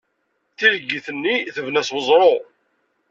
Tileggit-nni tebna s weẓru.